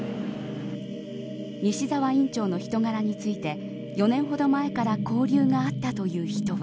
西澤院長の人柄について４年ほど前から交流があったという人は。